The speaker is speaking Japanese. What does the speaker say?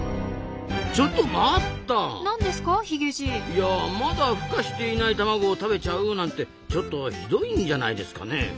いやまだふ化していない卵を食べちゃうなんてちょっとひどいんじゃないですかね？